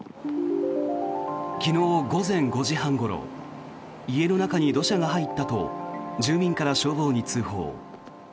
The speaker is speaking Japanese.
昨日午前５時半ごろ家の中に土砂が入ったと住民から消防に通報。